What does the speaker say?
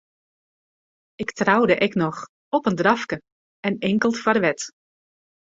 Ik troude ek noch, op in drafke en inkeld foar de wet.